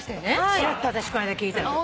ちらっと私この間聞いたの。